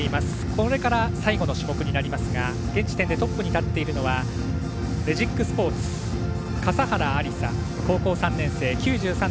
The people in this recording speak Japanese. これから最後の種目になりますが現時点でトップに立っているのはレジックスポーツ、笠原有彩高校３年生、９３．６６４。